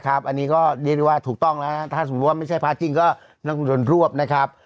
ก็เรียกได้ว่าถูกต้องแล้วนะครับถ้าสมมุติว่าไม่ใช่ภาคจริงก็นั่งรวมรวบนะครับ